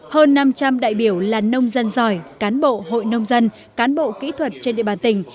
hơn năm trăm linh đại biểu là nông dân giỏi cán bộ hội nông dân cán bộ kỹ thuật trên địa bàn tỉnh